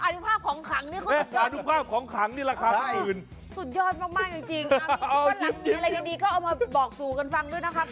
อ๋ออนุภาพของขังนี่เขาสุดยอดจริงสุดยอดมากจริงนี่บ้านหลังมีอะไรจะดีก็เอามาบอกสู่กันฟังด้วยนะครับ